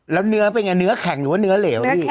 แล้วเนื้อเป็นไงเนื้อแข็งหรือว่าเนื้อเหลวพี่